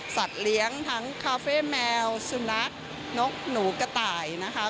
เลี้ยงทั้งคาเฟ่แมวสุนัขนกหนูกระต่ายนะคะ